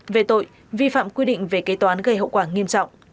về tội vi phạm quy định về kế toán gây hậu quả nghiêm trọng